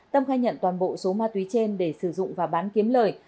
tâm khai nhận toàn bộ số ma túy trên để sử dụng và bán kiếm lời